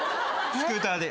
スクーターで？